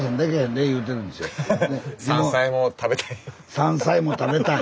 山菜も食べたい。